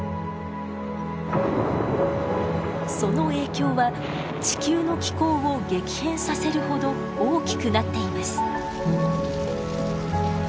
その影響は地球の気候を激変させるほど大きくなっています。